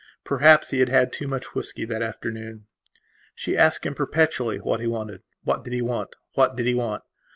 Perhaps he had had too much whisky that afternoon. She asked him perpetually what he wanted. What did he want? What did he want?